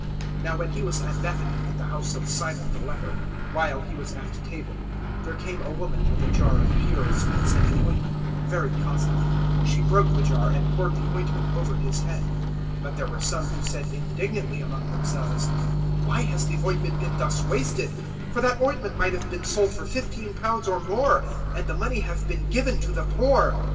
014:003 Now when He was at Bethany, in the house of Simon the Leper, while He was at table, there came a woman with a jar of pure, sweet scented ointment very costly: she broke the jar and poured the ointment over His head. 014:004 But there were some who said indignantly among themselves, "Why has the ointment been thus wasted? 014:005 For that ointment might have been sold for fifteen pounds or more, and the money have been given to the poor."